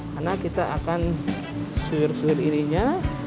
karena kita akan suhir suir irinya